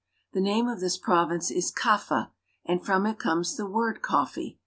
The name of this province Kaffa, and from it comes the word "coffee."